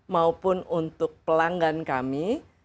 maupun untuk pelanggan kami